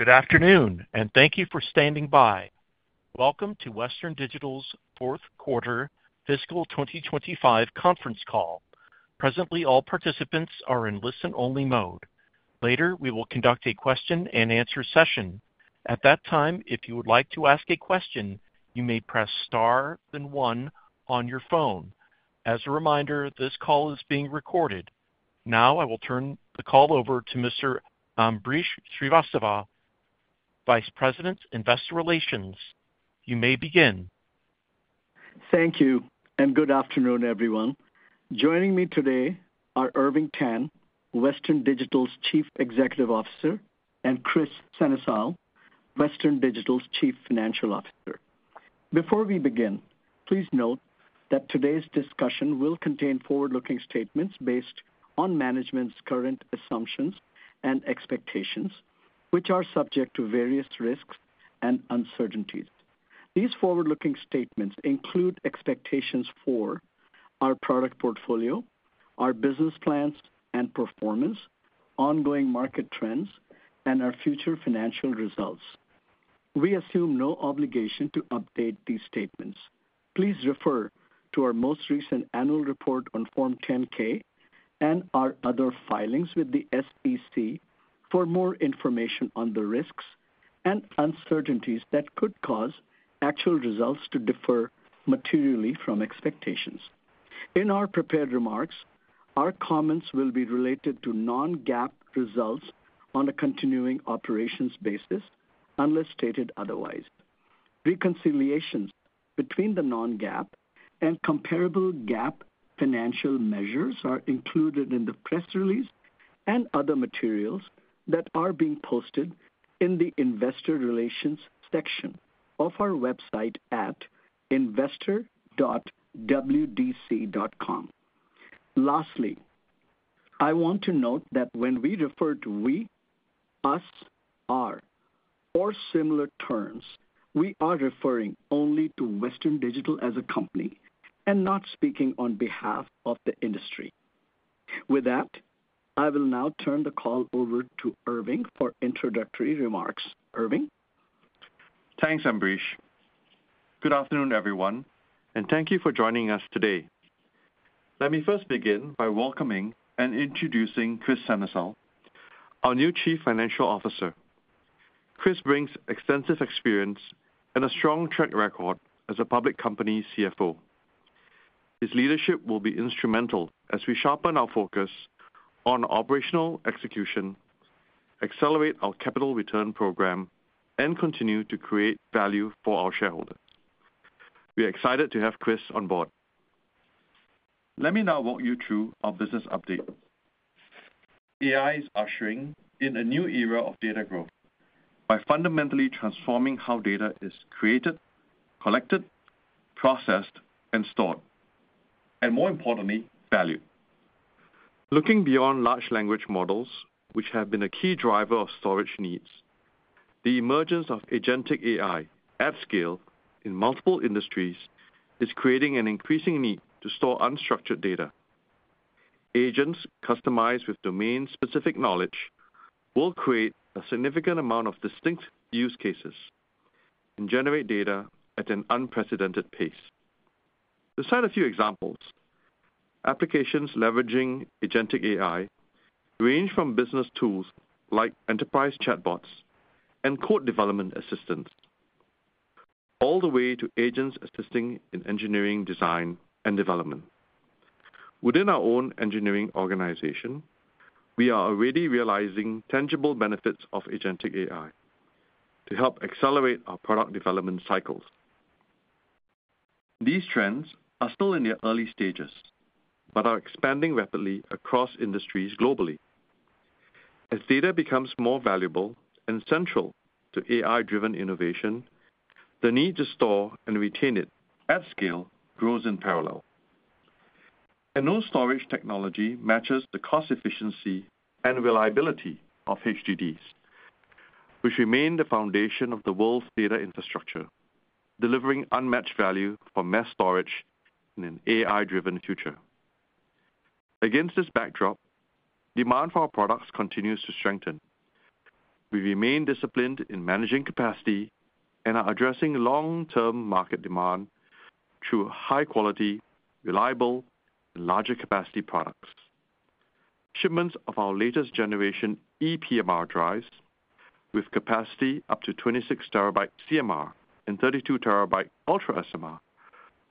Good afternoon and thank you for standing by. Welcome to Western Digital's fourth quarter fiscal 2025 conference call. Presently all participants are in listen only mode. Later we will conduct a question and answer session at that time. If you would like to ask a question, you may press Star then one on your phone. As a reminder, this call is being recorded now. I will turn the call over to Mr. Ambrish Srivastava, Vice President, Investor Relations. You may begin. Thank you and good afternoon everyone. Joining me today are Irving Tan, Western Digital's Chief Executive Officer, and Kris Sennesael, Western Digital's Chief Financial Officer. Before we begin, please note that today's discussion will contain forward-looking statements based on management's current assumptions and expectations, which are subject to various risks and uncertainties. These forward-looking statements include expectations for our product portfolio, our business plans and performance, ongoing market trends, and our future financial results. We assume no obligation to update these statements. Please refer to our most recent annual report on Form 10-K and our other filings with the SEC for more information on the risks and uncertainties that could cause actual results to differ materially from expectations. In our prepared remarks, our comments will be related to non-GAAP results on a continuing operations basis unless stated otherwise. Reconciliations between the non-GAAP and comparable GAAP financial measures are included in the press release and other materials that are being posted in the Investor Relations section of our website at investor.wdc.com. Lastly, I want to note that when we refer to we, us, our, or similar terms, we are referring only to Western Digital as a company and not speaking on behalf of the industry. With that, I will now turn the call over to Irving for introductory remarks. Irving, thanks Ambrish. Good afternoon everyone and thank you for joining us today. Let me first begin by welcoming and introducing Kris Sennesael, our new Chief Financial Officer. Kris brings extensive experience and a strong track record as a public company CFO. His leadership will be instrumental as we sharpen our focus on operational execution, accelerate our capital return program, and continue to create value for our shareholders. We are excited to have Kris on board. Let me now walk you through our business update. AI is ushering in a new era of data growth by fundamentally transforming how data is created, collected, processed, and stored, and more importantly, valued. Looking beyond large language models, which have been a key driver of storage needs, the emergence of agentic AI at scale in multiple industries is creating an increasing need to store unstructured data. Agents customized with domain-specific knowledge will create a significant amount of distinct use cases and generate data at an unprecedented pace. To cite a few examples, applications leveraging agentic AI range from business tools like enterprise chatbots and code development assistants all the way to agents assisting in engineering design and development within our own engineering organization. We are already realizing tangible benefits of agentic AI to help accelerate our product development cycles. These trends are still in their early stages but are expanding rapidly across industries globally. As data becomes more valuable and central to AI-driven innovation, the need to store and retain it at scale grows in parallel. No storage technology matches the cost, efficiency, and reliability of HDDs, which remain the foundation of the world's data infrastructure, delivering unmatched value for mass storage in an AI-driven future. Against this backdrop, demand for our products continues to strengthen. We remain disciplined in managing capacity and are addressing long-term market demand through high-quality, reliable, larger capacity products. Shipments of our latest generation EPMR drives with capacity up to 26 TB CMR and 32 TB Ultra SMR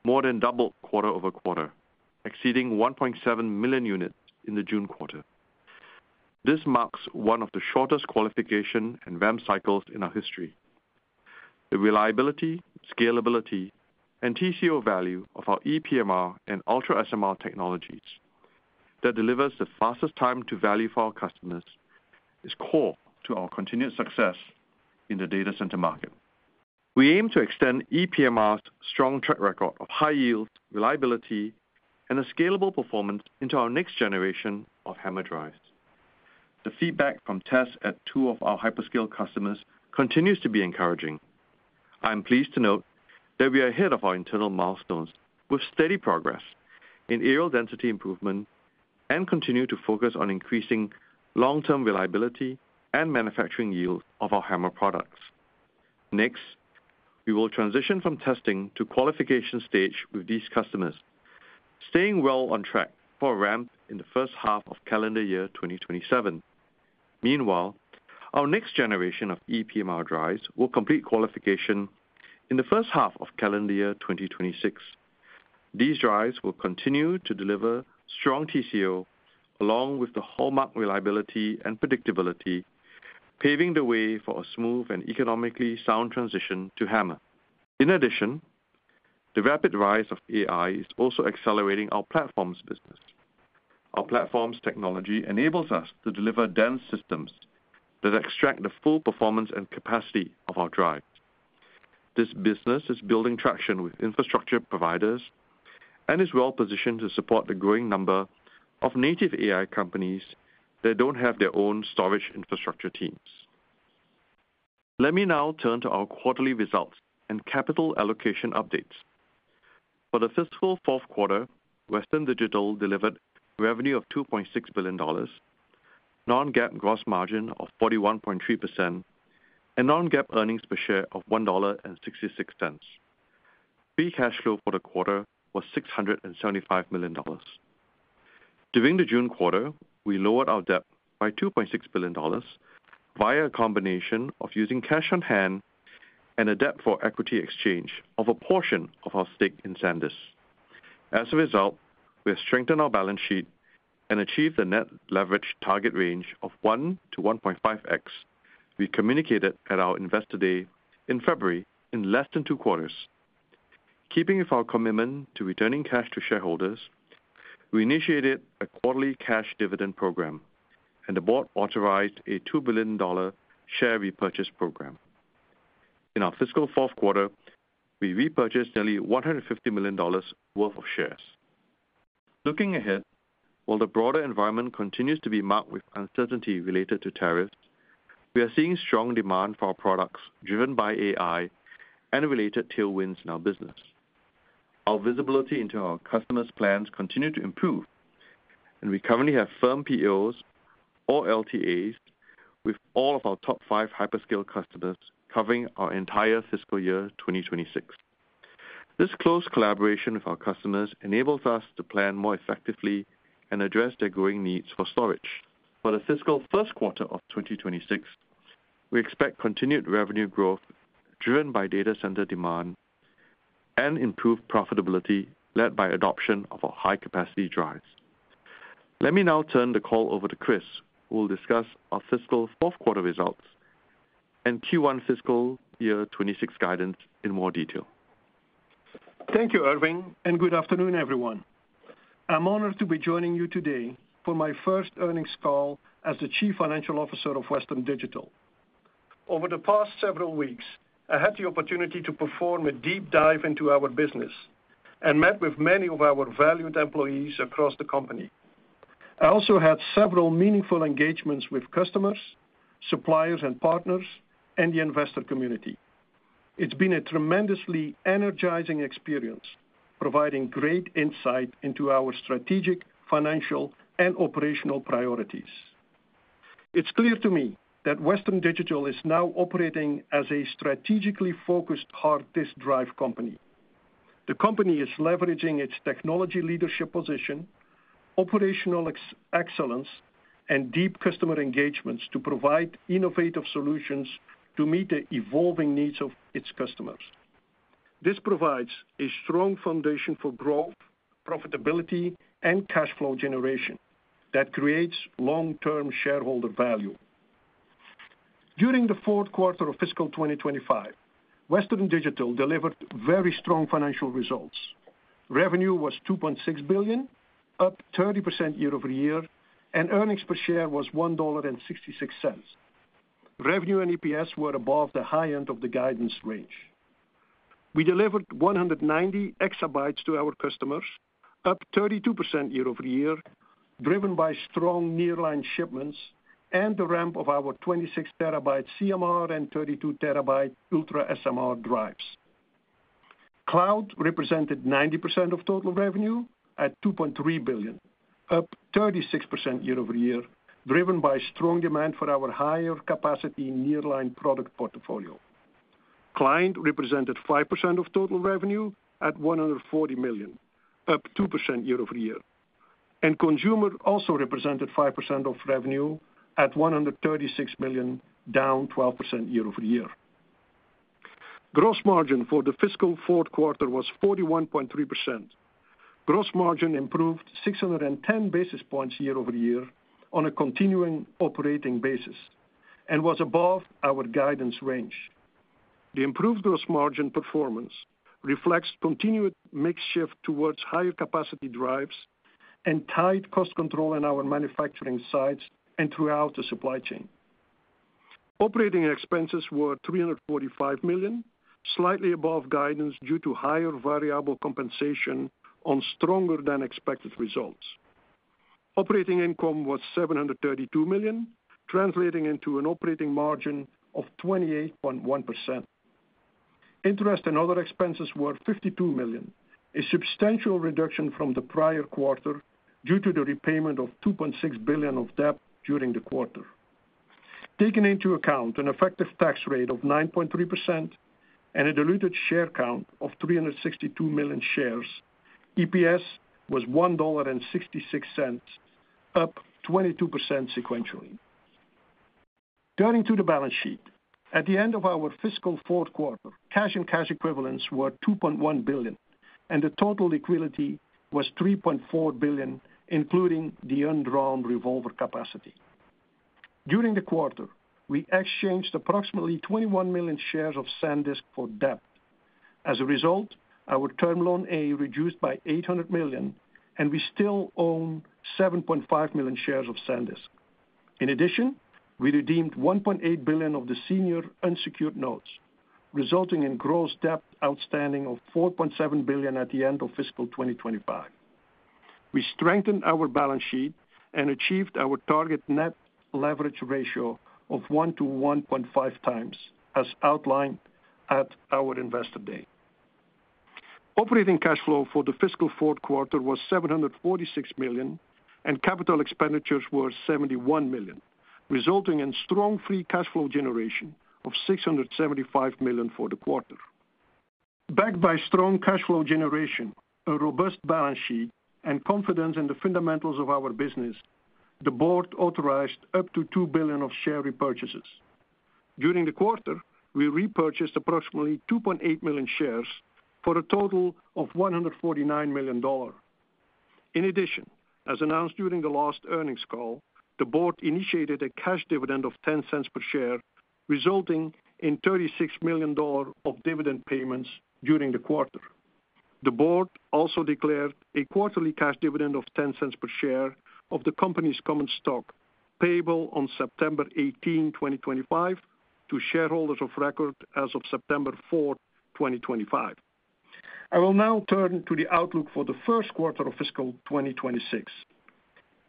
more than doubled quarter over quarter, exceeding 1.7 million units in the June quarter. This marks one of the shortest qualification and ramp cycles in our history. The reliability, scalability, and TCO value of our EPMR and Ultra SMR technologies that delivers the fastest time to value for our customers is core to our continued success in the data center market. We aim to extend EPMR's strong track record of high-yield reliability and scalable performance into our next generation of HAMR drives. The feedback from tests at two of our hyperscale customers continues to be encouraging. I am pleased to note that we are ahead of our internal milestones with steady progress in areal density improvement and continue to focus on increasing long-term reliability and manufacturing yield of our HAMR products. Next, we will transition from testing to qualification stage with these customers, staying well on track for ramp in the first half of calendar year 2027. Meanwhile, our next generation of EPMR drives will complete qualification in the first half of calendar year 2026. These drives will continue to deliver strong TCO along with the hallmark reliability and predictability, paving the way for a smooth and economically sound transition to HAMR. In addition, the rapid rise of AI is also accelerating our platforms business. Our platforms technology enables us to deliver dense systems that extract the full performance and capacity of our drives. This business is building traction with infrastructure providers and is well positioned to support the growing number of native AI companies that do not have their own storage infrastructure teams. Let me now turn to our quarterly results and capital allocation updates for the fiscal fourth quarter. Western Digital delivered revenue of $2.6 billion, non-GAAP gross margin of 41.3%, and non-GAAP earnings per share of $1.66. Free cash flow for the quarter was $675 million. During the June quarter, we lowered our debt by $2.6 billion via a combination of using cash on hand and a debt-for-equity exchange of a portion of our stake in SanDisk. As a result, we have strengthened our balance sheet and achieved a net leverage target range of 1x to 1.5x. We communicated at our Investor Day in February in less than two quarters. Keeping with our commitment to returning cash to shareholders, we initiated a quarterly cash dividend program and the board authorized a $2 billion share repurchase program. In our fiscal fourth quarter, we repurchased nearly $150 million worth of shares. Looking ahead, while the broader environment continues to be marked with uncertainty related to tariffs, we are seeing strong demand for our products driven by AI and related tailwinds in our business. Our visibility into our customers' plans continues to improve and we currently have firm POs and all LTAs with all of our top five hyperscale customers covering our entire fiscal year 2026. This close collaboration with our customers enables us to plan more effectively and address their growing needs for storage. For the fiscal first quarter of 2026, we expect continued revenue growth driven by data center demand and improved profitability led by adoption of our high capacity drives. Let me now turn the call over to Kris, who will discuss our fiscal fourth quarter results and Q1 fiscal year 2026 guidance in more detail. Thank you Irving and good afternoon everyone. I'm honored to be joining you today for my first earnings call as the Chief Financial Officer of Western Digital. Over the past several weeks I had the opportunity to perform a deep dive into our business and met with many of our valued employees across the company. I also had several meaningful engagements with customers, suppliers and partners and the investor community. It's been a tremendously energizing experience, providing great insight into our strategic financial and operational priorities. It's clear to me that Western Digital is now operating as a strategically focused hard disk drive company. The company is leveraging its technology leadership position, operational excellence and deep customer engagements to provide innovative solutions to meet the evolving needs of its customers. This provides a strong foundation for growth, profitability and cash flow generation that creates long-term shareholder value. During the fourth quarter of fiscal 2025, Western Digital delivered very strong financial results. Revenue was $2.6 billion, up 30% year-over-year and earnings per share was $1.66. Revenue and EPS were above the high end of the guidance range. We delivered 190 EB to our customers, up 32% year over year, driven by strong nearline shipments and the ramp of our 26 TB CMR and 32 TB Ultra SMR drives. Cloud represented 90% of total revenue at $2.3 billion, up 36% year-over-year, driven by strong demand for our higher capacity nearline product portfolio. Client represented 5% of total revenue at $140 million, up 2% year-over-year, and consumer also represented 5% of revenue at $136 million, down 12% year-over-year. Gross margin for the fiscal fourth quarter was 41.3%. Gross margin improved 610 basis points year over year on a continuing operating basis and was above our guidance range. The improved gross margin performance reflects continued mix shift towards higher capacity drives and tight cost control in our manufacturing sites and throughout the supply chain. Operating expenses were $345 million, slightly above guidance due to higher variable compensation on stronger than expected results. Operating income was $732 million, translating into an operating margin of 28.1%. Interest and other expenses were $52 million, a substantial reduction from the prior quarter due to the repayment of $2.6 billion of debt during the quarter. Taking into account an effective tax rate of 9.3% and a diluted share count of 362 million shares. EPS was $1.66, up 22% sequentially. Turning to the balance sheet, at the end of our fiscal fourth quarter, cash and cash equivalents were $2.1 billion and total liquidity was $3.4 billion, including the undrawn revolver capacity. During the quarter, we exchanged approximately 21 million shares of SanDisk for debt. As a result, our term loan A reduced by $800 million and we still own 7.5 million shares of SanDisk. In addition, we redeemed $1.8 billion of the senior unsecured notes, resulting in gross debt outstanding of $4.7 billion. At the end of fiscal 2025, we strengthened our balance sheet and achieved our target net leverage ratio of 1x-1.5x as outlined at our Investor Day. Operating cash flow for the fiscal fourth quarter was $746 million and capital expenditures were $71 million, resulting in strong free cash flow generation of $675 million for the quarter. Backed by strong cash flow generation, a robust balance sheet, and confidence in the fundamentals of our business, the Board authorized up to $2 billion of share repurchases. During the quarter, we repurchased approximately 2.8 million shares for a total of $149 million. In addition, as announced during the last earnings call, the Board initiated a cash dividend of $0.10 per share, resulting in $36 million of dividend payments during the quarter. The Board also declared a quarterly cash dividend of $0.10 per share of the company's common stock payable on September 18, 2025 to shareholders of record as of September 4, 2025. I will now turn to the outlook for the first quarter of fiscal 2026.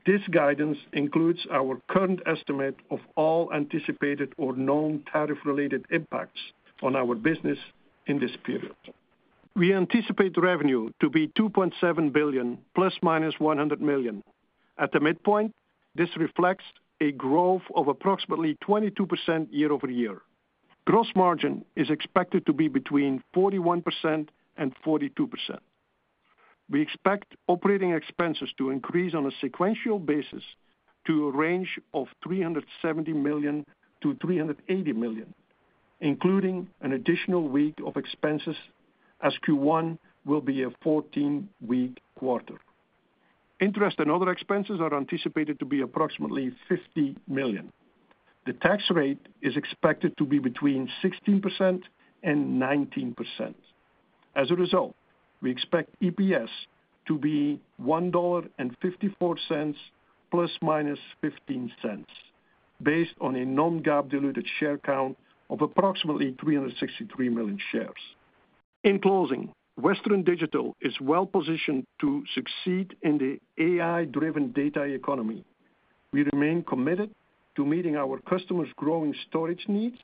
This guidance includes our current estimate of all anticipated or known tariff-related impacts on our business in this period. We anticipate revenue to be $2.7 billion plus minus $100 million at the midpoint. This reflects a growth of approximately 22% year-over-year. Gross margin is expected to be between 41% and 42%. We expect operating expenses to increase on a sequential basis to a range of $370 million-$380 million, including an additional week of expenses as Q1 will. Be a 14-week quarter. Interest and other expenses are anticipated to be approximately $50 million. The tax rate is expected to be between 16% and 19%. As a result, we expect EPS to be $1.54 plus minus $0.15 based on a non-GAAP diluted share count of approximately 363 million shares. In closing, Western Digital is well positioned to succeed in the AI driven data economy. We remain committed to meeting our customers' growing storage needs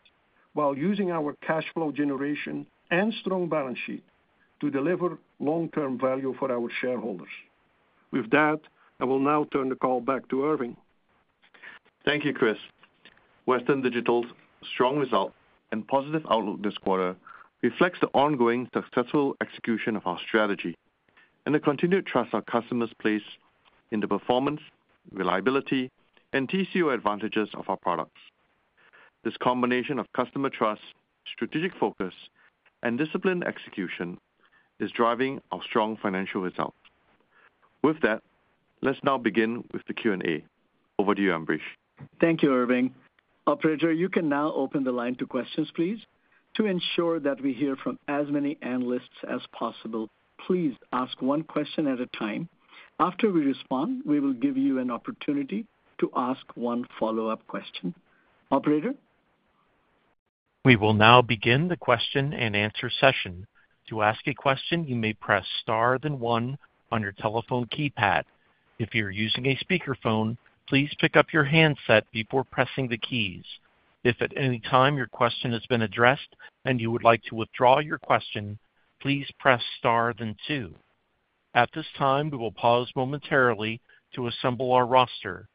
while using our cash flow generation and strong balance sheet to deliver long term value for our shareholders. With that, I will now turn the call back to Irving. Thank you, Kris. Western Digital's strong result and positive outlook this quarter reflects the ongoing successful execution of our strategy and the continued trust our customers place in the performance, reliability, and TCO advantages of our products. This combination of customer trust, strategic focus, and disciplined execution is driving our strong financial results. With that, let's now begin with the Q&A. Over to you, Ambrish. Thank you, Irving. Operator, you can now open the line to questions, please. To ensure that we hear from as many analysts as possible, please ask one question at a time. After we respond, we will give you an opportunity to ask one follow up question. Operator. We will now begin the question and answer session. To ask a question you may press Star then one on your telephone keypad. If you're using a speakerphone, please pick up your handset before pressing the keys. If at any time your question has been addressed and you would like to withdraw your question, please press Star then two. At this time, we will pause momentarily to assemble our roster.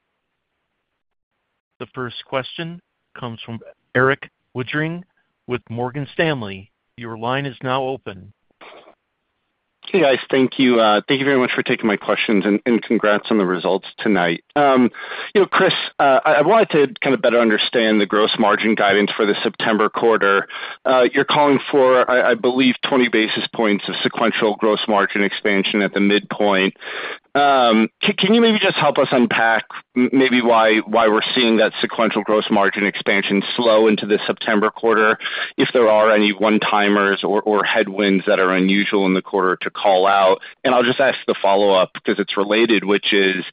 The first question comes from Erik Woodring with Morgan Stanley. Your line is now open. Hey guys, thank you. Thank you very much for taking my questions and congrats on the results tonight. You know, Kris, I wanted to kind. Of better understand the gross margin guidance for the September quarter. You're calling for I believe 20 basis points of sequential gross margin expansion at the midpoint. Can you maybe just help us unpack maybe why we're seeing that sequential gross margin expansion slow into the September quarter? If there are any one timers or headwinds that are unusual in the quarter to call out and I'll just ask the follow up because it's related which is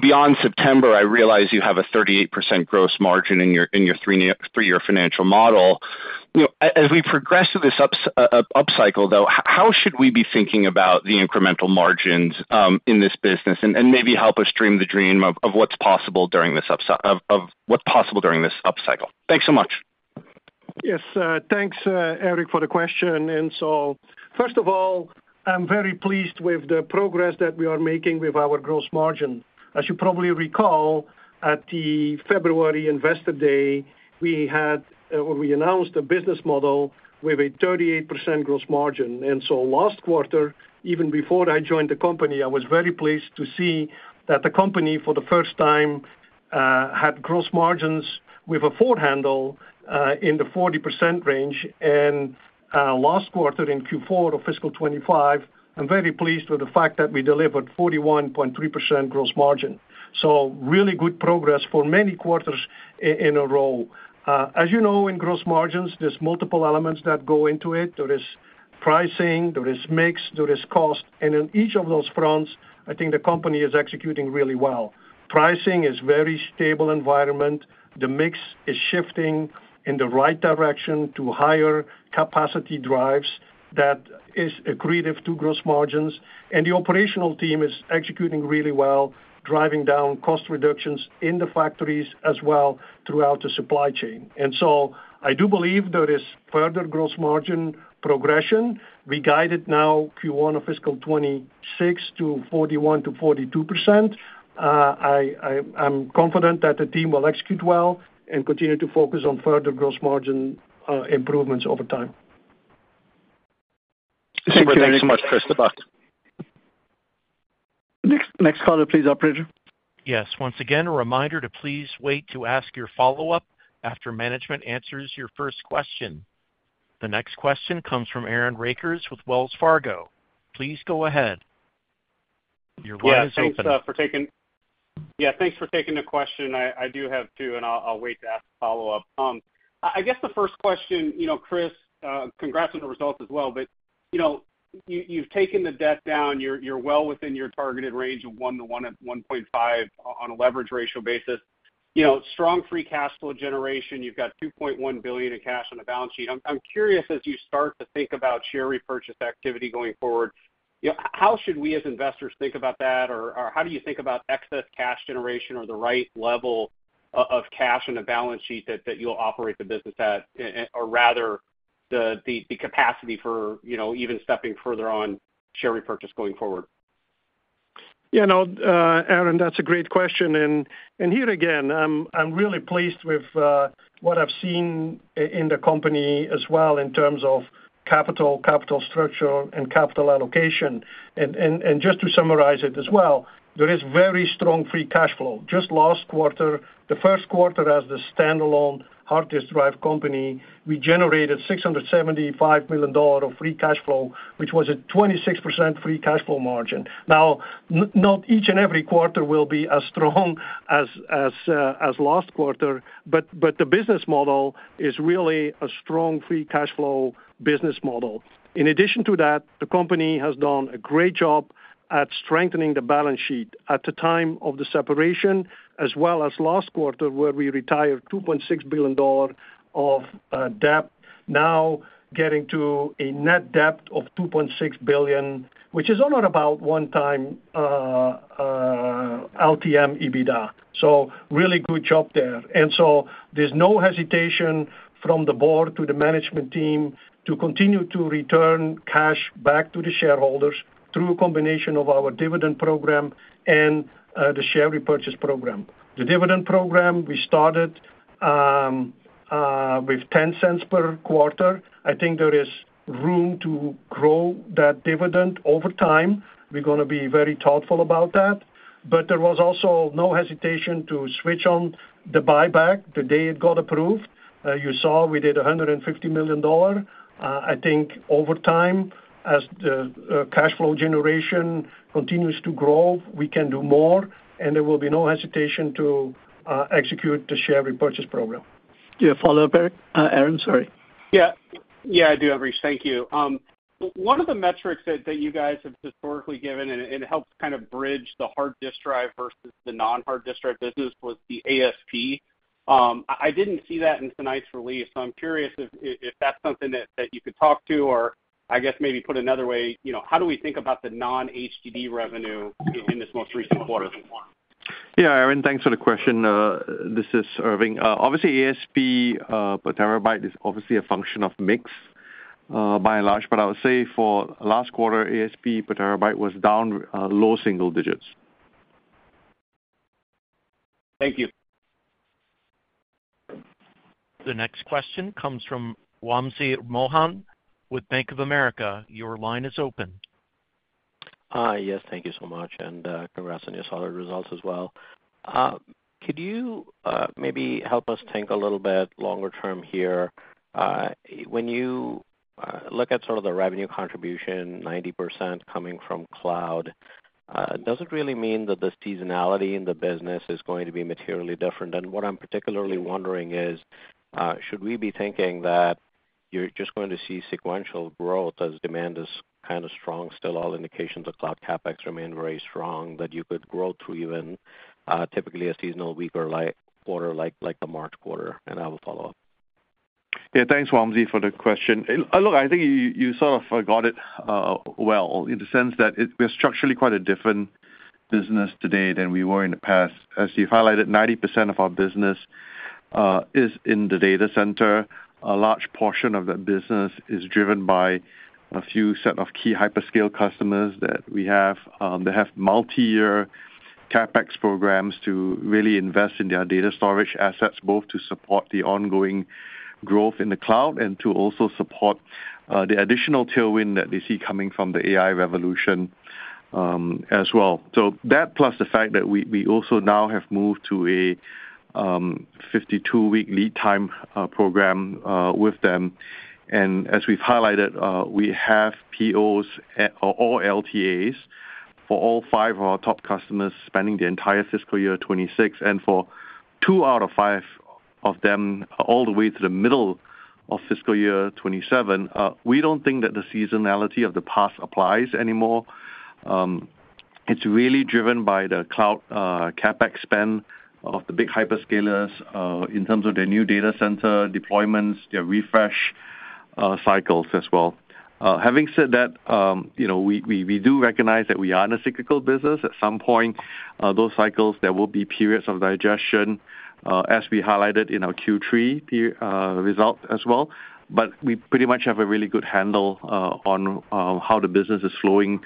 beyond September. I realize you have a 38% gross margin in your three year financial model. As we progress through this upcycle though, how should we be thinking about the incremental margins in this business and maybe help us dream the dream of what's possible during this upside of what's possible during this upcycle. Thanks so much. Yes, thanks Eric for the question. First of all, I'm very pleased with the progress that we are making with our gross margin. As you probably recall, at the February investor day we had we announced a business model with a 38% gross margin. Last quarter, even before I joined the company, I was very pleased to see that the company for the first time had gross margins with a four handle in the 40% range. Last quarter in Q4 of fiscal 2025, I'm very pleased with the fact that we delivered 41.3% gross margin. Really good progress for many quarters in a row. As you know, in gross margins there's multiple elements that go into it. There is pricing, there is mix, there is cost. On each of those fronts I think the company is executing really well. Pricing is very stable environment, the mix is shifting in the right direction to higher capacity drives that is accretive to gross margins. The operational team is executing really well driving down cost reductions in the factories as well throughout the supply chain. I do believe there is further gross margin progression. We guided now Q1 of fiscal 2026 to 41%-42%. I'm confident that the team will execute well and continue to focus on further gross margin improvements over time. Thank you very much. press the button. Next caller please. Operator. Yes, once again a reminder to please wait to ask your follow-up after management answers your first question. The next question comes from Aaron Rakers with Wells Fargo. Please go ahead. Your word is open. Yes. For taking. Yeah, thanks for taking the question. I do have two and I'll wait to ask. Follow up, I guess the first question. You know, Kris, congrats on the results as well. But you know, you've taken the debt down, you're well within your targeted range of 1x-1.5x on a leverage ratio basis. You know, strong free cash flow generation. You've got $2.1 billion in cash on the balance sheet. I'm curious as you start to think about share repurchase activity going forward, how should we as investors think about that or how do you think about excess cash generation or the right level of cash on the balance sheet that you'll operate the business at, or rather the capacity for even stepping further on share repurchase going forward? Aaron, that's a great question. Here again, I'm really pleased with what I've seen in the company as well in terms of capital, capital structure, and capital allocation. Just to summarize it as well, there is very strong free cash flow. Just last quarter, the first quarter as the standalone hard disk drive company, we generated $675 million of free cash flow, which was a 26% free cash flow margin. Not each and every quarter will be as strong as last quarter, but the business model is really a strong free cash flow business model. In addition to that, the company has done a great job at strengthening the balance sheet at the time of the separation as well as last quarter where we retired $2.6 billion of debt. Now getting to a net debt of $2.6 billion, which is on or about one time LTM EBITDA. Really good job there. There is no hesitation from the board to the management team to continue to return cash back to the shareholders through a combination of our dividend program and the share repurchase program. The dividend program we started with $0.10 per quarter. I think there is room to grow that dividend over time. We're going to be very thoughtful about that. There was also no hesitation to switch on the buyback the day it got approved. You saw we did $150 million. I think over time, as the cash flow generation continues to grow, we can do more and there will be no hesitation to execute the share repurchase program. Do you have a follow up, Eric? Aaron, sorry? yeah, yeah I do. Thank you. One of the metrics that you guys have historically given and helped kind of bridge the hard disk drive versus the non hard disk drive business was the ASP. I did not see that in tonight's release. I am curious if that is something that you could talk to or I guess maybe put another way, you know, how do we think about the non HDD revenue in this most recent quarter? Yeah, Aaron, thanks for the question. This is Irving. Obviously ASP per terabytes is obviously a function of mix by and large, but I would say for last quarter ASP per terabytes was down low single digits. Thank you. The next question comes from Wamsi Mohan with Bank of America. Your line is open. Yes, thank you so much and congrats on your solid results as well. Could you maybe help us think a little bit longer term here? When you look at sort of the revenue contribution, 90% coming from cloud, does it really mean that the seasonality in the business is going to be materially different? What I'm particularly wondering is should we be thinking that you're just going to see sequential growth as demand is kind of strong still, all indications of cloud CapEx remain very strong, that you could grow through even typically a seasonal weak or light quarter like the March quarter. I will follow up. Thanks Wamsi for the question. Look, I think you sort of got it well in the sense that we're structurally quite a different business today than we were in the past. As you highlighted, 90% of our business is in the data center. A large portion of that business is driven by a few set of key hyperscale customers that we have. They have multi-year CapEx programs to really invest in their data storage assets both to support the ongoing growth in the cloud and to also support the additional tailwind that they see coming from the AI revolution as well. That plus the fact that we also now have moved to a 52-week lead time program with them and as we've highlighted, we have POs or all LTAs for all five of our top customers spanning the entire fiscal year 2026 and for two out of five of them all the way to the middle of fiscal year 2027, we don't think that the seasonality of the past applies anymore. It's really driven by the cloud CapEx spend of the big hyperscalers in terms of their new data center deployments, their refresh cycles as well. Having said that, we do recognize that we are in a cyclical business. At some point those cycles, there will be periods of digestion as we highlighted in our Q3 result as well. We pretty much have a really good handle on how the business is flowing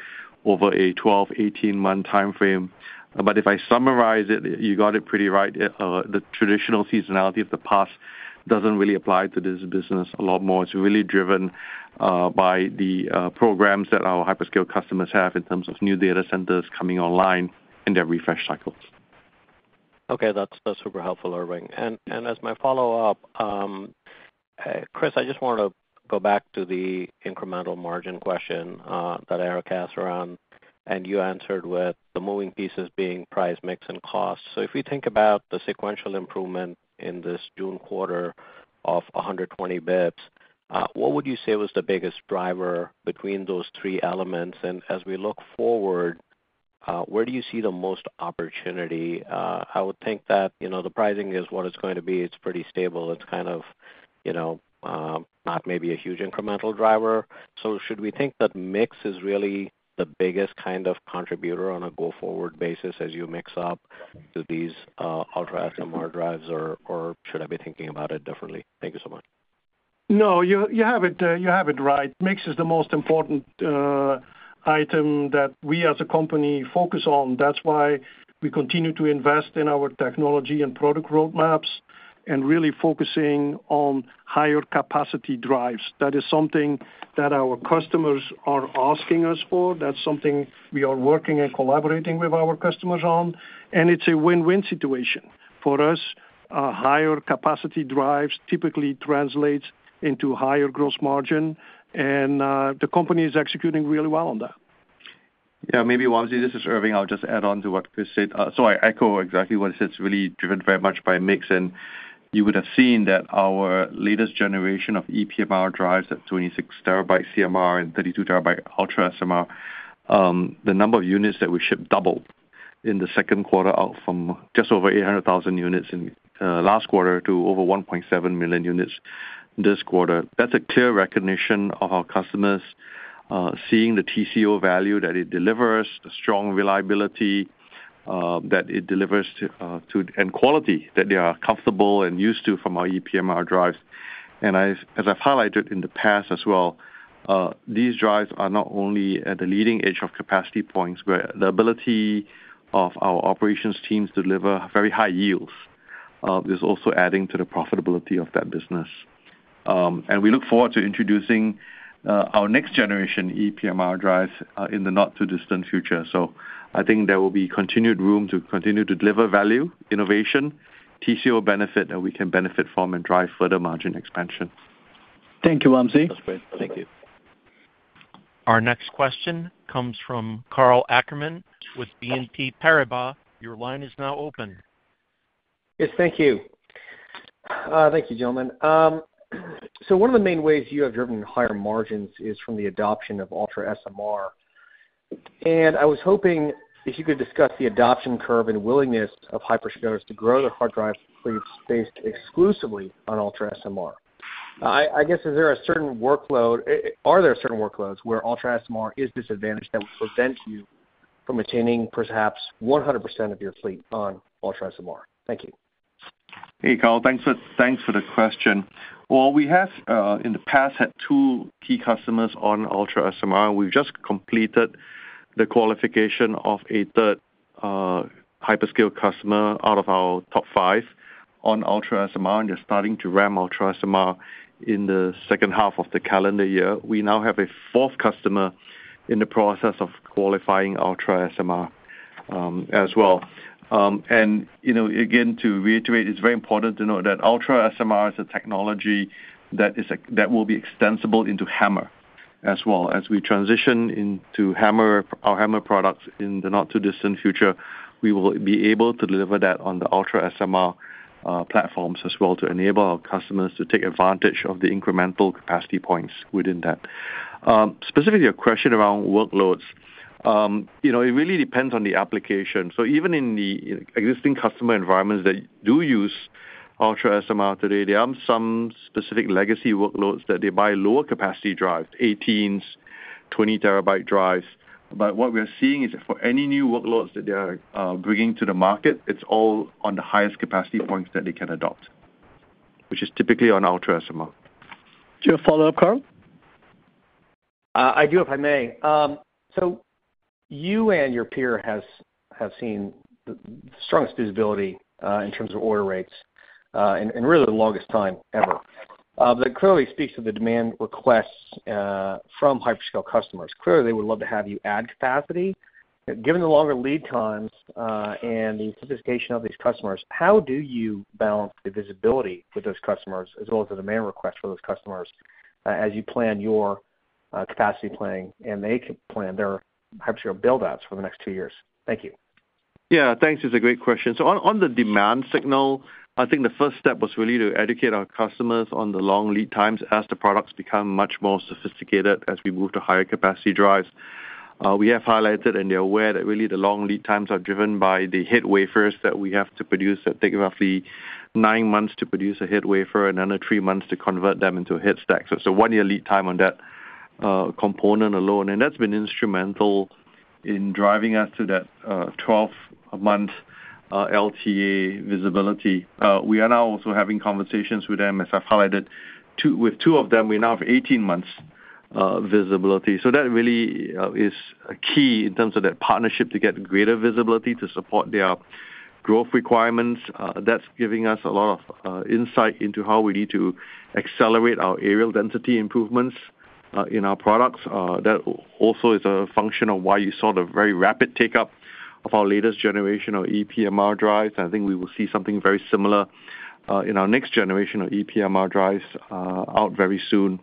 over a 12-month, 18-month time frame. If I summarize it, you got it pretty right. The traditional seasonality of the past doesn't really apply to this business a lot more. It's really driven by the programs that our hyperscale customers have in terms of new data centers coming online and their refresh cycles. Okay, that's super helpful, Irving. As my follow up, Kris, I just want to go back to the incremental margin question that Eric asked around and you answered with the moving pieces being price, mix and cost. If we think about the sequential improvement in this June quarter of 120 bps. What would you say was the biggest. Driver between those three elements? As we look forward, where do you see the most opportunity? I would think that the pricing is what it's going to be. It's pretty stable. It's kind of not maybe a huge incremental driver. Should we think that Mix is really the biggest contributor on a go forward basis as you mix up to these Ultra SMR drives or should I be thinking about it differently? Thank you so much. No, you have it right. Mix is the most important item that we as a company focus on. That is why we continue to invest in our technology and product roadmaps and really focusing on higher capacity drives. That is something that our customers are asking us for. That is something we are working and collaborating with our customers on. It is a win win situation for us. Higher capacity drives typically translates into higher gross margin and the company is executing really well on that. Yeah, maybe. Wamsi, this is Irving. I'll just add on to what Kris said. I echo exactly what he said. It's really driven very much by mix. You would have seen that our latest generation of EPMR drives at 26 TB CMR and 32 TB Ultra SMR, the number of units that we ship doubled in the second quarter, out from just over 800,000 units in last quarter to over 1.7 million units this quarter. That's a clear recognition of our customers seeing the TCO value that it delivers, the strong reliability that it delivers, and quality that they are comfortable and used to from our EPMR drives. As I've highlighted in the past as well, these drives are not only at the leading edge of capacity points, but the ability of our operations teams to deliver very high yields is also adding to the profitability of that business. We look forward to introducing our next generation EPMR drives in the not too distant future. I think there will be continued room to continue to deliver value, innovation, TCO benefit that we can benefit from, and drive further margin expansion. Thank you, Wamsi. Thank you. Our next question comes from karl Ackerman with BNP Paribas. Your line is now open. Yes, thank you. Thank you, gentlemen. One of the main ways you. Have driven higher margins is from the adoption of Ultra SMR. I was hoping if you could. Discuss the adoption curve and willingness of hyperscalers to grow their hard drive fleets. Based exclusively on Ultra SMR? I guess. Is there a certain workload, are there? Certain workloads where Ultra SMR is disadvantaged that would prevent you from attaining perhaps 100% of your fleet on Ultra SMR? Thank you. Hey karl, thanks for the question. We have in the past had two key customers on Ultra SMR. We've just completed the qualification of a third hyperscale customer out of our top five on Ultra SMR. You're starting to ramp Ultra SMR in the second half of the calendar year. We now have a fourth customer in the process of qualifying Ultra SMR as well. You know, again to reiterate, it's very important to note that Ultra SMR is a technology that is, that will be extensible into HAMR as well. As we transition into our HAMR products in the not too distant future, we will be able to deliver that on the Ultra SMR platforms as well to enable our customers to take advantage of the incremental capacity points within that. Specifically, a question around workloads. You know, it really depends on the application. Even in the existing customer environments that do use Ultra SMR today, there are some specific legacy workloads that they buy. Lower capacity drives, 18 TB, 20 TB drives. What we are seeing is that for any new workloads that they are bringing to the market, it's all on the highest capacity points that they can adopt, which is typically on Ultra SMR. Do you have a follow-up, karl? I do, if I may. You and your peer have seen the strongest visibility in terms of order rates and really the longest time ever. That clearly speaks to the demand requests from hyperscale customers. Clearly they would love to have you add capacity given the longer lead times. The sophistication of these customers. How do you balance the visibility with. Those customers as well as the demand. Demand request for those customers as you plan your capacity planning and they can plan their hyperscale buildouts for the next two years. Thank you. Yeah, thanks. It's a great question. On the demand signal, I think the first step was really to educate our customers on the long lead times as the products become much more sophisticated as we move to higher capacity drives. We have highlighted, and they're aware, that really the long lead times are driven by the head wafers that we have to produce that take roughly nine months to produce a head wafer and another three months to convert them into a head stack. One year lead time on that component alone, and that's been instrumental in driving us to that 12-month LTA visibility. We are now also having conversations with them, as I've highlighted, with two of them we now have 18-months visibility. That really is key in terms of that partnership to get greater visibility to support their growth requirements. That's giving us a lot of insight into how we need to accelerate our areal density improvements in our products. That also is a function of why you saw the very rapid take up of our latest generation of EPMR drives. I think we will see something very similar in our next generation of EPMR drives out very soon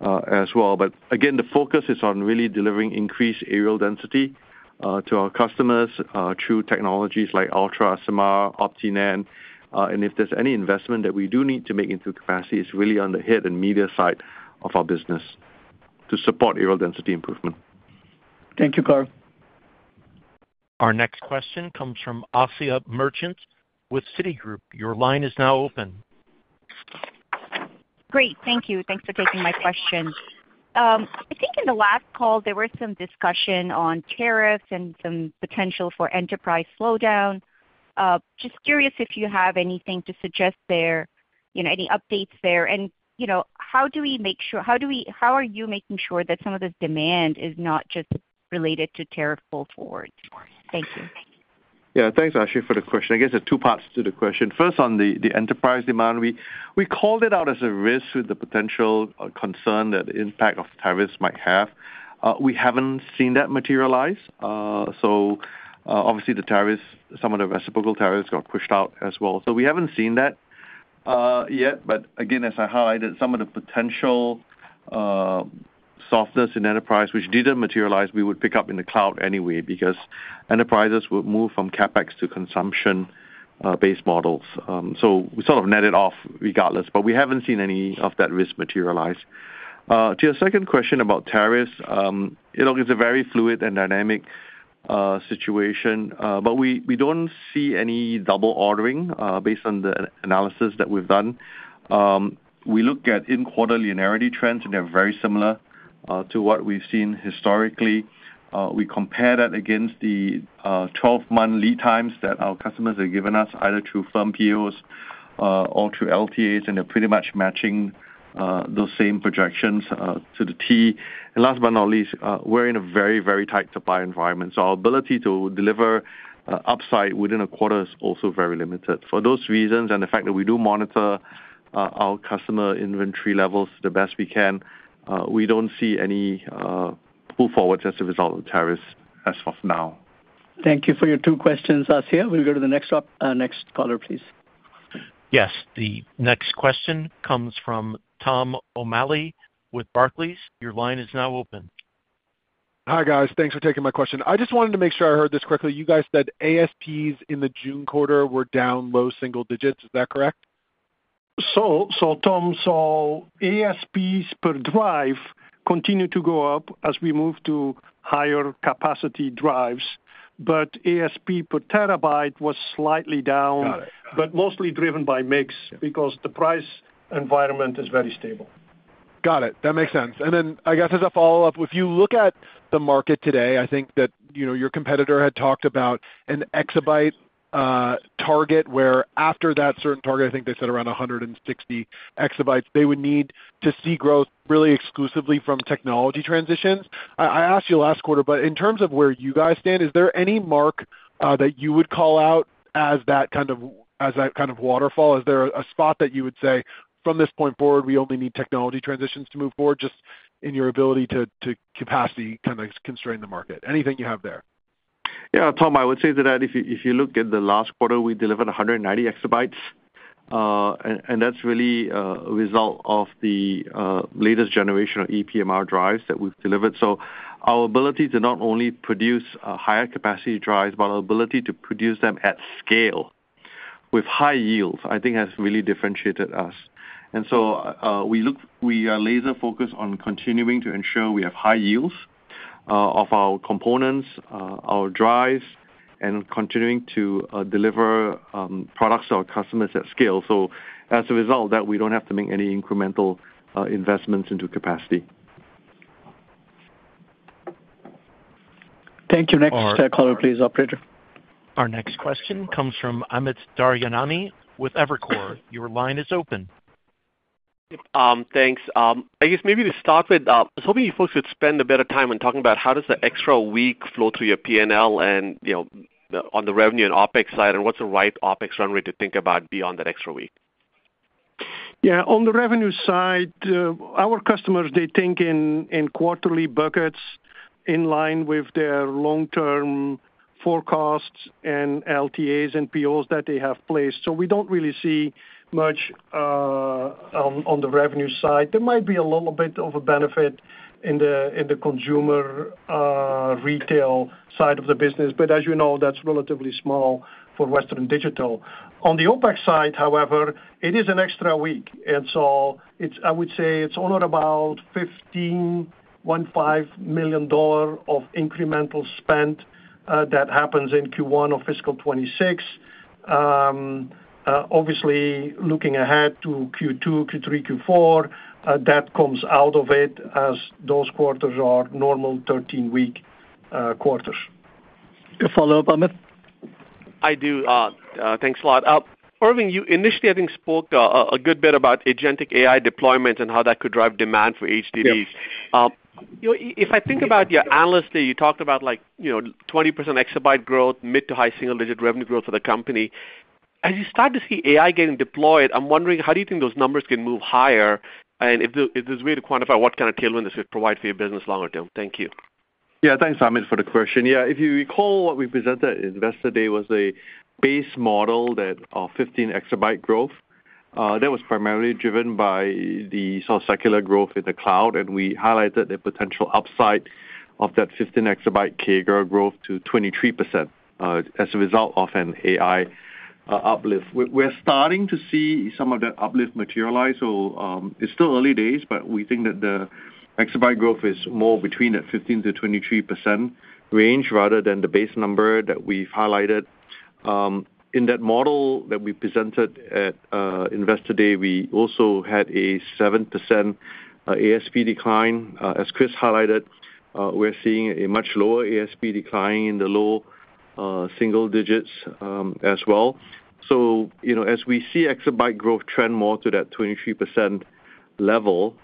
as well. Again, the focus is on really delivering increased areal density to our customers through technologies like Ultra SMR Optinen. If there's any investment that we do need to make into capacity, it's really on the head and media side of our business to support areal density improvement. Thank you, karl. Our next question comes from Asiya Merchant with Citigroup. Your line is now open. Great, thank you. Thanks for taking my question. I think in the last call there. Was some discussion on tariffs and some. Potential for enterprise slowdown. Just curious if you have anything to suggest there, any updates there, and you know, how do we make sure, how do we, how are you making sure that some of the demand is not just related to tariff pull forward? Thank you. Yeah, thanks Asiya for the question. I guess there are two parts to the question. First on the enterprise demand, we called it out as a risk with the potential concern that the impact of tariffs might have, we have not seen that materialize. Obviously the tariffs, some of the reciprocal tariffs got pushed out as well. We have not seen that yet. Again, as I highlighted some of the potential softness in enterprise which did not materialize, we would pick up in the cloud anyway because enterprises would move from CapEx to consumption-based models. We sort of netted off regardless, but we have not seen any of that risk materialize. To your second question about tariffs, it is a very fluid and dynamic situation, but we do not see any double ordering based on the analysis that we have done. We look at in-quarter linearity trends and they are very similar to what we have seen historically. We compare that against the 12-month lead times that our customers have given us either through firm POs or through LTAs and they are pretty much matching those same projections to the T. Last but not least, we are in a very, very tight supplier environment. Our ability to deliver upside within a quarter is also very limited. For those reasons and the fact that we do monitor our customer inventory levels the best we can, we do not see any pull forwards as a result of tariffs as of now. Thank you for your two questions, Asiya. We'll go to the next caller please. Yes, the next question comes from Tom O'Malley with Barclays. Your line is now open. Hi guys, thanks for taking my question. I just wanted to make sure I heard this correctly. You guys said ASPs in the June. Quarter were down low single digits, is that correct? Tom saw ASPs per drive continue to go up as we move to higher capacity drives, but ASP per terabytes was slightly down, but mostly driven by mix because the price environment is very stable. Got it. That makes sense. I guess as a follow up, if you look at the market today, I think that your competitor had talked about an exabyte target where after that certain target I think they said. Around 160 EB they would need to see growth really exclusively from technology transitions. I asked you last quarter, but in. Terms of where you guys stand, is there any mark that you would call? Out as that kind of, as that. Kind of waterfall. Is there a spot? That you would say from this point. Forward, we only need technology transitions to move forward just in your ability to. Capacity kind of constrain the market, anything you have there? Yeah, Tom, I would say that if you look at the last quarter we delivered 190 EB and that's really a result of the latest generation of EPMR drives that we've delivered. Our ability to not only produce higher capacity drives but our ability to produce them at scale with high yields I think has really differentiated us. We are laser focused on continuing to ensure we have high yields of our components, our drives, and continuing to deliver products to our customers at scale. As a result, we don't have to make any incremental investments into capacity. Thank you. Next call please. Operator. Our next question comes from Amit Daryanani with Evercore. Your line is open. Thanks. I guess maybe to start with, I was hoping you folks could spend a bit of time on talking about how does the extra week flow through your P&L and you know, on the revenue and OpEx side and what's the right OpEx runway to think about. Beyond that extra week? Yeah, on the revenue side, our customers, they think in quarterly buckets in line with their long term forecasts and LTAs and POs that they have placed. So we do not really see much. On the revenue side, there might be a little bit of a benefit in the consumer retail side of the business, but as you know, that is relatively small for Western Digital. On the OpEx side, however, it is an extra week. I would say it is only about $15.15 million of incremental spend that happens in Q1 of fiscal 2026. Obviously looking ahead to Q2, Q3, Q4 that comes out of it as those quarters are normal 13 week quarter. follow up Amit. I do, thanks a lot, Irving. You initially, I think, spoke a good bit about agentic AI deployments and how that could drive demand for HDD. If I think about your Analyst Day, you talked about like 20% exabyte growth, mid to high single-digit revenue growth for the company. As you start to see AI getting. Deployed, I'm wondering how do you think those numbers can move higher and if there's a way to quantify what kind of tailwind this would provide for your business longer term. Thank you. Yeah, thanks Amit, for the question. Yeah, if you recall what we presented, Investor Day was a base model of 15 EB growth that was primarily driven by the secular growth in the cloud. And we highlighted the potential upside of that 15 EB CAGR growth to 23% as a result of an AI uplift. We're starting to see some of that uplift materialize. It is still early days, but we think that the exabyte growth is more between that 15-23% range rather than the base number that we've highlighted. In that model that we presented at Investor Day, we also had a 7% ASP decline. As Kris highlighted, we're seeing a much lower ASP decline in the low single digits as well. As we see exabyte growth trend more to that 23% level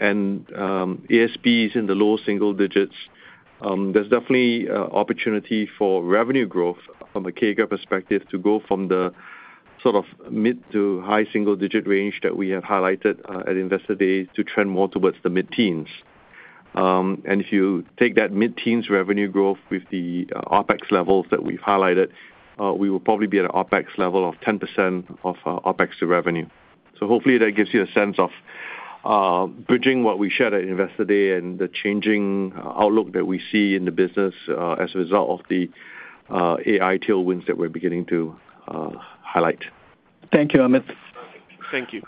and ASP is in the low single digits, there is definitely opportunity for revenue growth from a CAGR perspective to go from the sort of mid to high single digit range that we have highlighted at Investor Day to trend more towards the mid teens. If you take that mid teens revenue growth with the OPEX levels that we've highlighted, we will probably be at an OPEX level of 10% of OPEX to revenue. Hopefully that gives you a sense of bridging what we shared at Investor Day and the changing outlook that we see in the business as a result of the AI tailwinds that we're beginning to highlight. Thank you Amit. Thank you.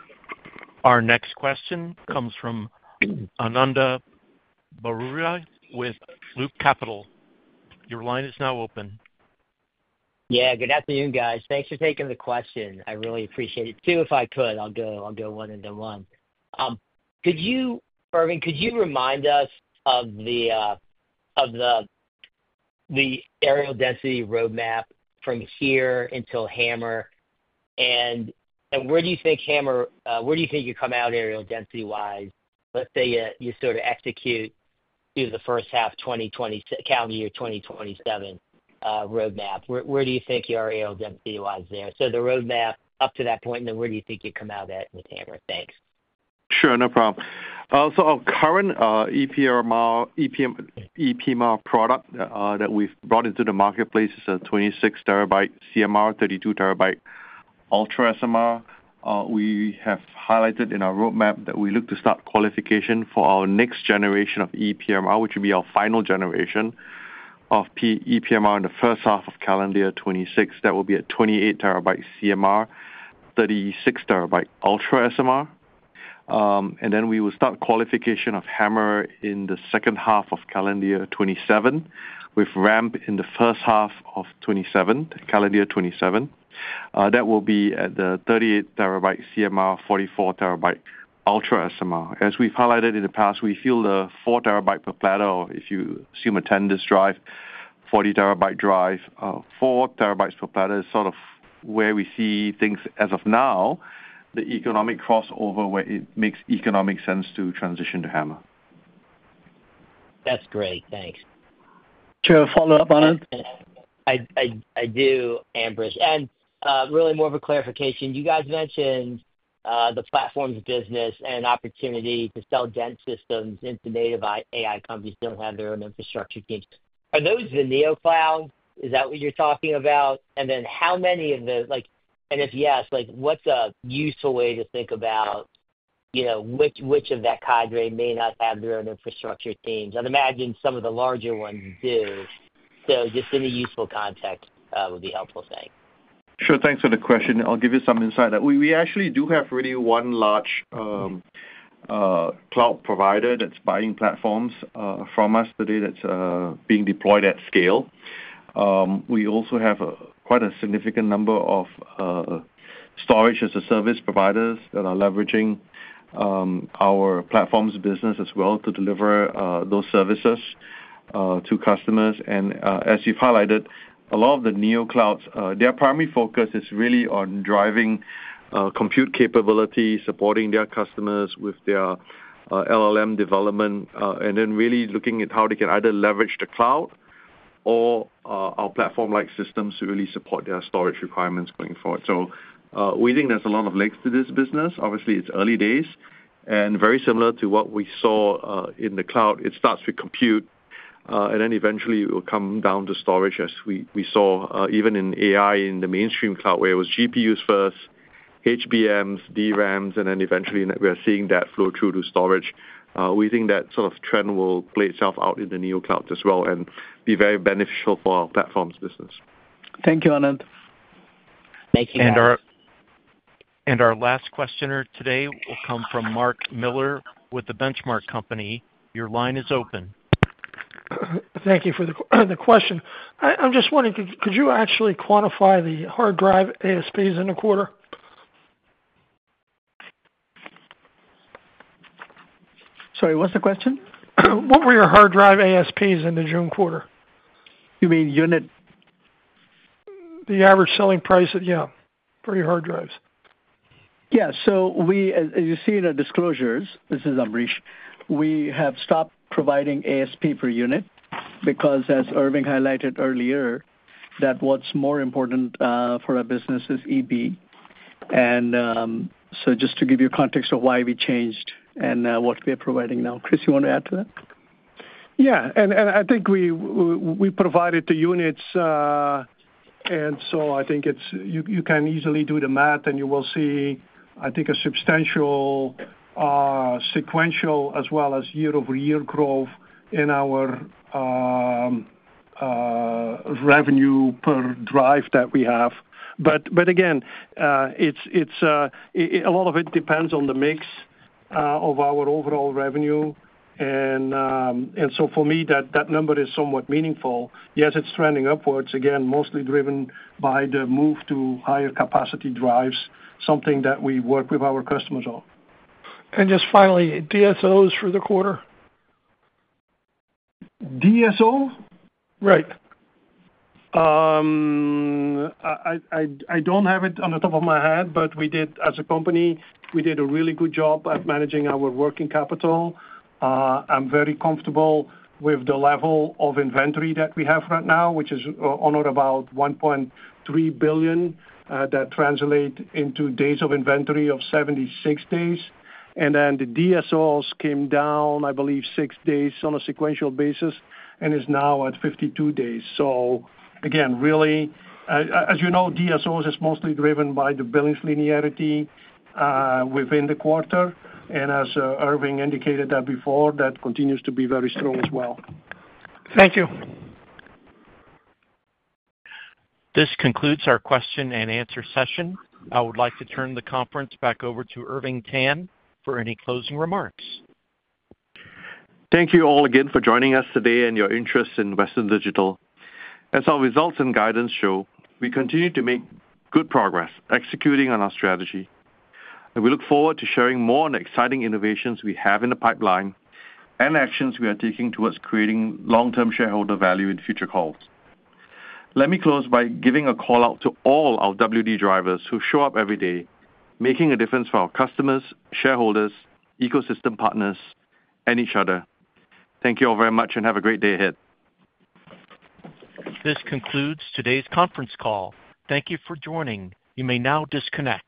Our next question comes from Ananda Baruah with Loop Capital. Your line is now open. Yeah. Good afternoon guys. Thanks for taking the question. I really appreciate it too. If I could, I'll go one into one. Could you, Irving, could you remind us of the aerial density roadmap from here until HAMR? And where do you think HAMR, where do you think you come out aerial density wise? Let's say you sort of execute through the first half 2020 calendar year 2027 roadmap, where do you think your ALW is there? The roadmap up to that point and then where do you think you come out at with HAMR? Thanks. Sure, no problem. So our current EPMR product that we've brought into the marketplace is a 26 TB CMR, 32 TB Ultra SMR. We have highlighted in our roadmap that we look to start qualification for our next generation of EPMR, which will be our final generation of EPMR, in the first half of calendar year 2026. That will be a 28 TB CMR, 36 TB Ultra SMR. We will start qualification of HAMR in the second half of calendar year 2027, with ramp in the first half of calendar year 2027. That will be at the 38 TB CMR, 44 TB Ultra SMR. As we've highlighted in the past, we feel the 4 TB per platter, if you assume a 10 disk drive, 40 TB drive, 4 TB per platter is sort of where we see things as of now. The economic crossover where it makes economic sense to transition to HAMR. That's great. Thanks. Sure. Follow up on it. I do Ambrish and really more of a clarification. You guys mentioned the platforms business and opportunity to sell dense systems into native AI. Companies do not have their own infrastructure teams. Are those the new cloud? Is that what you are talking about? And then how many of the like and if yes like what is a useful way to think about, you know, which, which of that CAGR may not have their own infrastructure teams. I would imagine some of the larger ones do. Just any useful context would be a helpful thing. Sure. Thanks for the question. I'll give you some insight that we actually do have really one large. Cloud. Provider that is buying platforms from us today that is being deployed at scale. We also have quite a significant number of storage as a service providers that are leveraging our platforms business as well to deliver those services to customers. As you have highlighted, a lot of the Neoclouds, their primary focus is really on driving compute capability, supporting their customers with their LLM development, and then really looking at how they can either leverage the cloud or our platform-like systems to really support their storage requirements going forward. We think there is a lot of legs to this business. Obviously, it is early days and very similar to what we saw in the cloud. It starts with compute and then eventually it will come down to storage as we saw even in AI in the mainstream cloud where it was GPUs first, HBMs, DRAMs, and then eventually we are seeing that flow through to storage. We think that sort of trend will play itself out in the Neoclouds as well and be very beneficial for our platforms business. Thank you, Ananda. Thank you. Our last questioner today will come from Mark Miller with The Benchmark Company. Your line is open. Thank you for the question. I'm just wondering, could you actually quantify the hard drive ASPs in the quarter? Sorry, what's the question? What were your hard drive ASPs in the June quarter? You mean unit. The average selling price at. Yeah, for your hard drives? yes. As you see in our disclosures, this is Ambrish, we have stopped providing ASP per unit because as Irving highlighted earlier that what's more important for. A business is EP. Just to give you context of why we changed and what we're. Providing now, kris, you want to add to that? Yeah, and I think we provided the units and so I think you can easily do the math and you will see, I think a substantial sequential as well as year-over-year growth in our revenue per drive that we have. Again, a lot of it depends on the mix of our overall revenue. For me that number is somewhat meaningful. Yes, it's trending upwards again, mostly driven by the move to higher capacity drives, something that we work with our customers on. Just finally DSOs for the quarter. DSO. Right. I don't have it on the top of my head. But we did as a company, we did a really good job at managing our working capital. I'm very comfortable with the level of inventory that we have right now, which is on or about $1.3 billion. That translates into days of inventory of 76 days. The DSOs came down, I believe six days on a sequential basis and is now at 52 days. Again, really, as you know, DSOs is mostly driven by the billings linearity within the quarter. As Irving indicated before, that continues to be very strong as well. Thank you. This concludes our question and answer session. I would like to turn the conference back over to Irving Tan for any closing remarks. Thank you all again for joining us today and your interest in Western Digital. As our results and guidance show, we continue to make good progress executing on our strategy and we look forward to sharing more on the exciting innovations we have in the pipeline and actions we are taking towards creating long-term shareholder value. In future calls, let me close by giving a call out to all our WD drivers who show up every day making a difference for our customers, shareholders, ecosystem partners and each other. Thank you all very much and have. A great day ahead. This concludes today's conference call. Thank you for joining. You may now disconnect.